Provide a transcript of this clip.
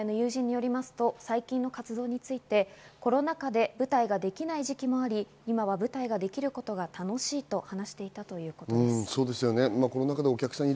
１０年来の友人によると最近の活動についてコロナ禍で舞台ができない時期もあり、今は舞台ができることが楽しいと話していたということです。